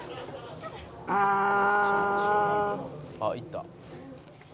「あっいった」